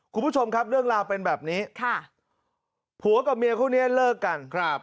คุณผู้ชมครับเรื่องราวเป็นแบบนี้ค่ะผัวกับเมียคู่นี้เลิกกันครับ